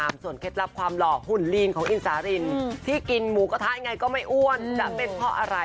แม่ทำสกรูปก็ปีดิ